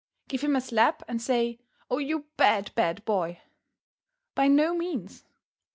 Give him a slap and say, "Oh, you bad, bad boy?" By no means.